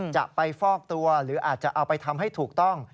จะไปฟอกตัวหรืออาจจะเอาไปทำให้ถูกต้อง